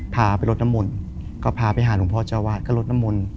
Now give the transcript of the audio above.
พาไปรถน้ำมนก็พาไปหาลูกพ่อเจ้าวาดก็รถน้ำมน